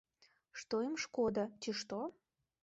Што ім шкода, ці што?